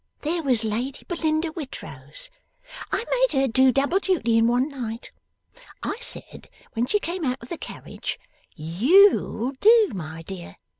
There was Lady Belinda Whitrose. I made her do double duty in one night. I said when she came out of the carriage, "YOU'll do, my dear!"